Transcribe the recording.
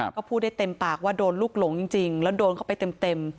ก็พูดได้เต็มปากว่าโดนลูกหลงจริงแล้วโดนเข้าไปเต็ม